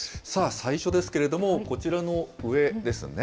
最初ですけれども、こちらの上ですね。